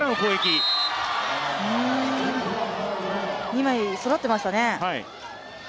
二枚そろってましたね。